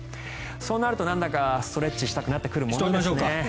そうなるとなんだかストレッチをしたくなってくるものですね。